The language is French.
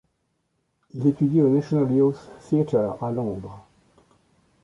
Il étudie au National Youth Theater à Londres.